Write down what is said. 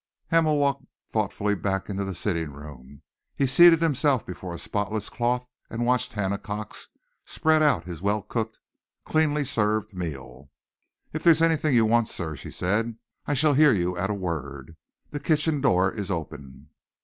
Hamel walked thoughtfully back into his sitting room. He seated himself before a spotless cloth and watched Hannah Cox spread out his well cooked, cleanly served meal. "If there's anything you want, sir," she said, "I shall hear you at a word. The kitchen door is open."